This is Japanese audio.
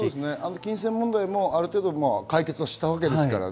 金銭問題もある程度解決したわけです。